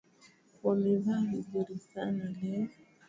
Wamevaa vizuri sana leo